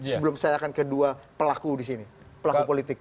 sebelum saya akan kedua pelaku di sini pelaku politik